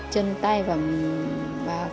chân tay và